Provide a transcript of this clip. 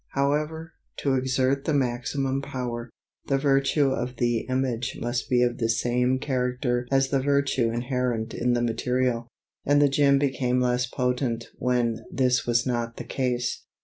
However, to exert the maximum power, the virtue of the image must be of the same character as the virtue inherent in the material, and the gem became less potent when this was not the case.